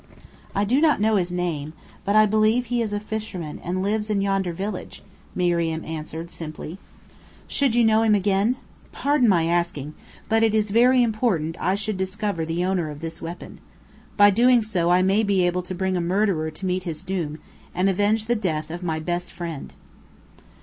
"I do not know his name, but I believe he is a fisherman and lives in yonder village," Miriam answered simply. "Should you know him again? Pardon my asking, but it is very important I should discover the owner of this weapon. By doing so I may be able to bring a murderer to meet his doom, and avenge the death of my best friend!"